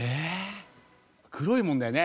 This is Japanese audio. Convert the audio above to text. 黒いものだよね？